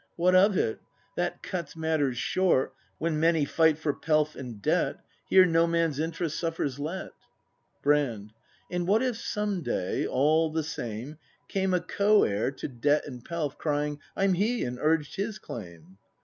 ] What of it ? That cuts matters short When many fight for pelf and debt. Here no man's interest suffers let. Brand. And what if some day, all the same, Came a co heir to debt and pelf Crying: "I'm he!" and urged his claim?